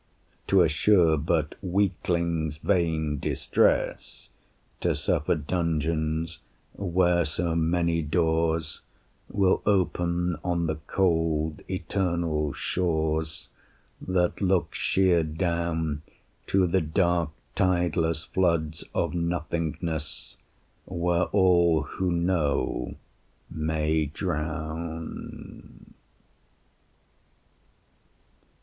'Twere sure but weaklings' vain distress To suffer dungeons where so many doors Will open on the cold eternal shores That look sheer down To the dark tideless floods of Nothingness Where all who know may drown.